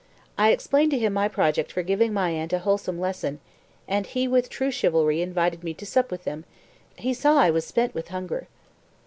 I explained to him my project for giving my aunt a wholesome lesson; and he, with true chivalry, invited me to sup with them he saw I was spent with hunger."